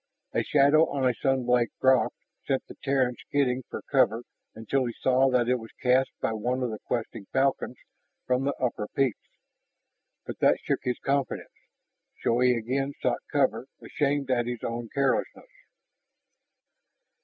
A shadow on a sun baked rock sent the Terran skidding for cover until he saw that it was cast by one of the questing falcons from the upper peaks. But that shook his confidence, so he again sought cover, ashamed at his own carelessness.